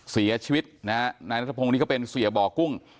เสียชีวิตนะฮะนายนัทพงศ์นี่ก็เป็นเสียบ่อกุ้ง